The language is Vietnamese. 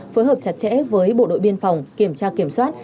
phối hợp chặt chẽ với bộ đội biên phòng kiểm tra kiểm soát